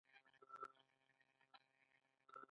ایا نور کار نشته؟